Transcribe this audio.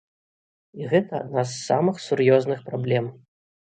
І гэта адна з самых сур'ёзных праблем.